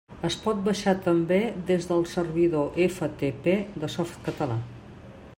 Es pot baixar també des del servidor FTP de Softcatalà.